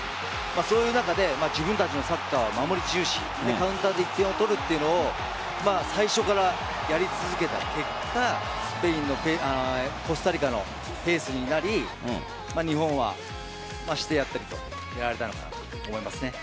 そういう中で自分たちのサッカーは守り重視カウンターで点を取るというのを最初からやり続けた結果コスタリカのペースになり日本はしてやったりとやられたのかなと思います。